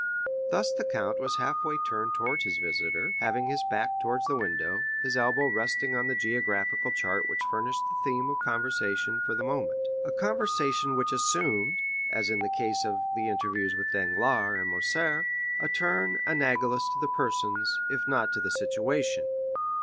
Thus the count was halfway turned towards his visitor, having his back towards the window, his elbow resting on the geographical chart which furnished the theme of conversation for the moment,—a conversation which assumed, as in the case of the interviews with Danglars and Morcerf, a turn analogous to the persons, if not to the situation.